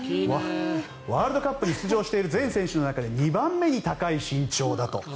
ワールドカップに出場している全選手の中で２番目に高い身長だと。